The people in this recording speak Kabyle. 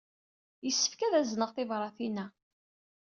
Yessefk ad azneɣ tibṛatin-a.